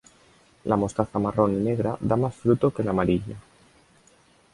La mostaza marrón y negra da más fruto que la amarilla.